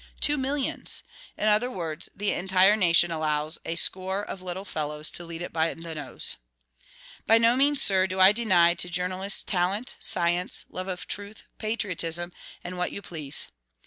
Two millions! In other words, the entire nation allows a score of little fellows to lead it by the nose. By no means, sir, do I deny to journalists talent, science, love of truth, patriotism, and what you please.